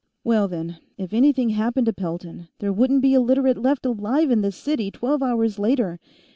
"Well then. If anything happened to Pelton, there wouldn't be a Literate left alive in this city twelve hours later.